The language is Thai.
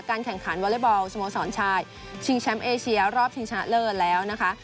แข่งขันวอเล็กบอลสโมสรชายชิงแชมป์เอเชียรอบชิงชนะเลิศแล้วนะคะ